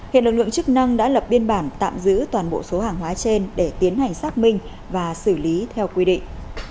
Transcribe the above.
hiện lực lượng chức năng đã lập biên bản tạm giữ toàn bộ số hàng hóa trên để tiến hành xác minh và xử lý theo quy định